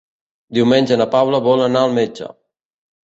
Diumenge na Paula vol anar al metge.